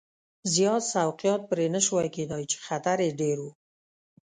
زیات سوقیات پرې نه شوای کېدای چې خطر یې ډېر و.